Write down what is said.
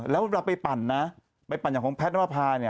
แล้วเวลาไปปั่นนะไปปั่นอย่างของแพทย์นวภาเนี่ย